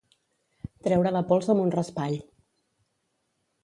Treure la pols amb un raspall.